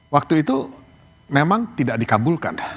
waktu itu memang tidak dikabulkan